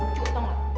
rama gak lucu dong